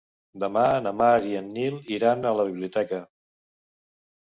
Demà na Mar i en Nil iran a la biblioteca.